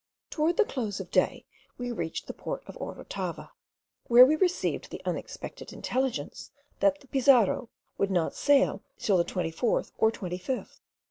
Toward the close of day we reached the port of Orotava, where we received the unexpected intelligence that the Pizarro would not set sail till the 24th or 25th.